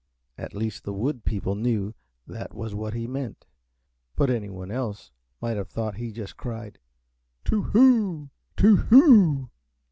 At least the wood people knew that was what he meant, but anyone else might have thought he just cried "To whoo! To whoo!"